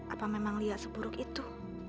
apa memang lia seburuk itu